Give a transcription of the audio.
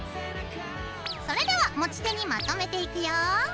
それでは持ち手にまとめていくよ。